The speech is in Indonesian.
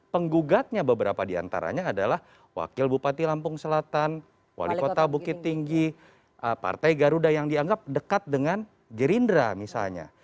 penggugatnya beberapa diantaranya adalah wakil bupati lampung selatan wali kota bukit tinggi partai garuda yang dianggap dekat dengan gerindra misalnya